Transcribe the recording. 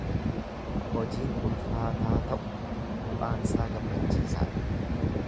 Hojiin ulfaataa ta'u, bu'aansaa gammachiisaadha.